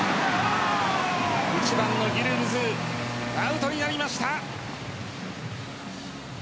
１番のギュルビュズアウトになりました。